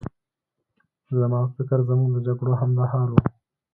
زما په فکر زموږ د جګړو همدا حال و.